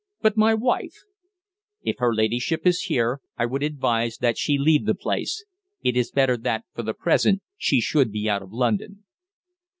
"But my wife?" "If her ladyship is here I would advise that she leave the place. It is better that, for the present, she should be out of London."